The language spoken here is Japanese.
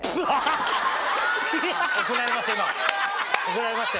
怒られました